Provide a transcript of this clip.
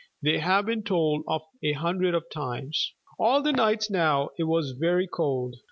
They have been told of a hundred of times. All the nights now it was very cold.